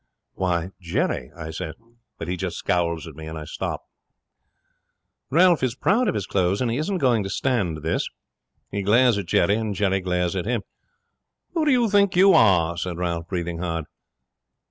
'"Why, Jerry," I says, but he just scowls at me and I stops. 'Ralph is proud of his clothes, and he isn't going to stand this. He glares at Jerry and Jerry glares at him. '"Who do you think you are?" says Ralph, breathing hard.